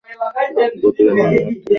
প্রতিটি নিয়ামত তার থেকেই এসে থাকে—মাশাআল্লাহ।